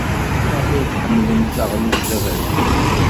Maɣef ay ḥemmlent taɣlust taberkant?